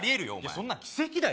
そんなん奇跡だよ